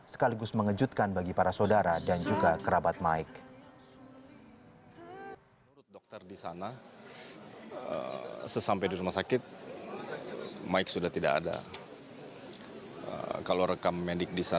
sekaligus mengejutkan bagi para saudara dan juga kerabat mike